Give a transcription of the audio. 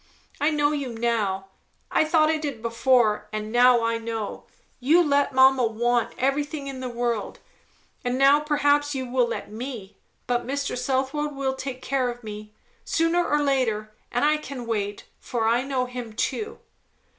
I know you now. I thought I did before, and now I know. You let mamma want everything in the world; and now perhaps you will let me; but Mr. Southwode will take care of me, sooner or later, and I can wait, for I know him too."